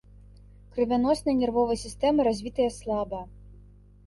Крывяносная і нервовая сістэмы развітыя слаба.